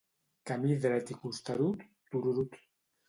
Camí dret i costerut, tururut!